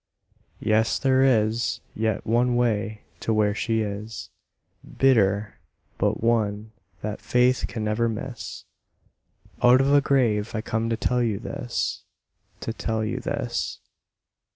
Yes, there is yet one way to where she is, Bitter, but one that faith may never miss. Out of a grave I come to tell you this To tell you this.